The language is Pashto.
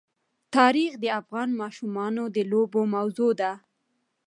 تاریخ د افغان ماشومانو د لوبو موضوع ده.